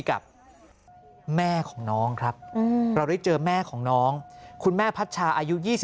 กับแม่ของน้องครับเราได้เจอแม่ของน้องคุณแม่พัชชาอายุ๒๒